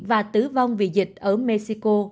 và tử vong vì dịch ở mexico